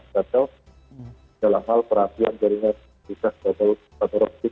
dalam hal perhatian jaringan kabel kabel pabrik